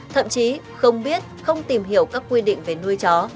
thậm chí không biết không tìm hiểu các quy định về nuôi chó